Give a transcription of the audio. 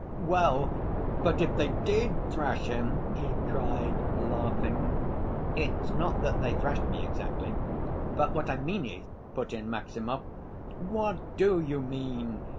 "Well, but if they did thrash him!" he cried, laughing. "It's not that they thrashed me exactly, but what I mean is—" put in Maximov. "What do you mean?